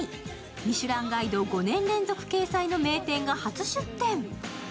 「ミシュランガイド」５年連続掲載の名店が初出店。